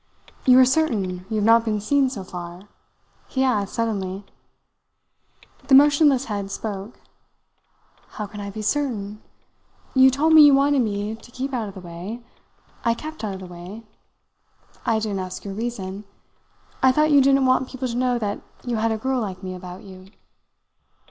"You are certain you have not been seen so far?" he asked suddenly. The motionless head spoke. "How can I be certain? You told me you wanted me to keep out of the way. I kept out of the way. I didn't ask your reason. I thought you didn't want people to know that you had a girl like me about you."